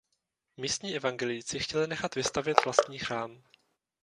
Místní evangelíci chtěli nechat vystavět vlastní chrám.